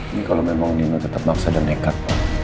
ini kalau memang nino tetap baksa dan nekat